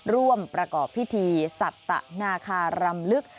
ร่วมประกอบพิธีสัตนาคารำลึก